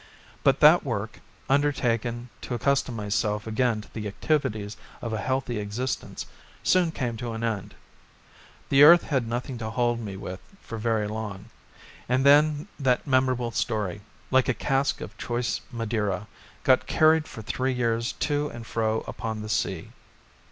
But that work, undertaken to accustom myself again to the activities of a healthy existence, soon came to an end. The earth had nothing to hold me with for very long. And then that memorable story, like a cask of choice Madeira, got carried for three years to and fro upon the sea.